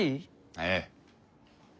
ええ。